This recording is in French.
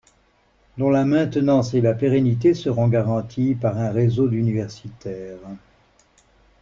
dont la maintenance et la pérennité seront garanties par un réseau d'universitaires